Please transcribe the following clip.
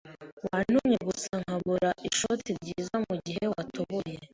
Wantumye gusa nkabura ishoti ryiza mugihe watoboye.